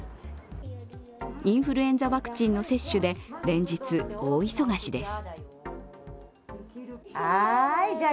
インフルエンザワクチンの接種で連日、大忙しです。